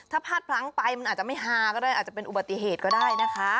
ถ้าพลาดพลั้งไปมันอาจจะไม่ฮาก็ได้อาจจะเป็นอุบัติเหตุก็ได้นะคะ